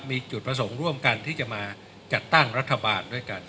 มีจุดประสงค์ร่วมกันที่จะมาจัดตั้งรัฐบาลด้วยกัน